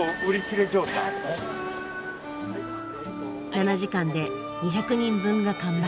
７時間で２００人分が完売。